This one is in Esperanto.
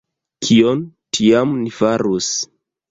Kion tiam ni farus?